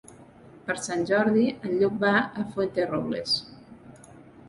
Per Sant Jordi en Lluc va a Fuenterrobles.